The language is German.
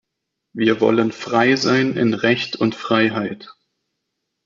Wir wollen frei sein in Recht und Freiheit!